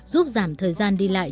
giúp giảm thời gian đi lại